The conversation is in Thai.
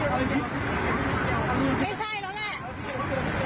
พี่พี่ดึงจับออกมาเลย